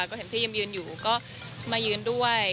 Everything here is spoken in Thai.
ก็เห็นพี่เอ็มยืนอยู่ก็มายืนด้วย